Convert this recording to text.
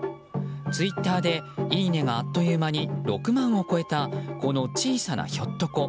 ツイッターでいいねがあっという間に６万を超えたこの小さなひょっとこ。